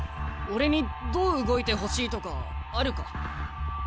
俺にどう動いてほしいとかあるか？